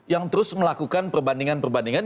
yang terus melakukan perbandingan perbandingan